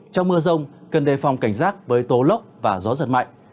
trong mưa rông cần đề phòng cảnh giác với tố lốc và gió giật mạnh